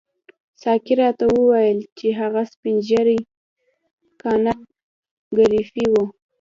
ساقي راته وویل چې هغه سپین ږیری کانت ګریفي وو.